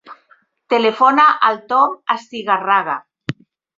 Telefona al Tom Astigarraga.